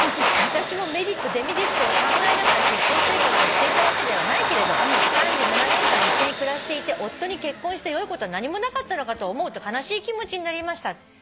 「私もメリットデメリットを考えながら結婚生活をしていたわけではないけれど３７年間一緒に暮らしていて夫に結婚してよいことは何もなかったのかと思うと悲しい気持ちになりました」